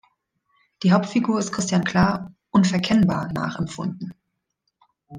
Die Hauptfigur ist Christian Klar „unverkennbar“ nachempfunden.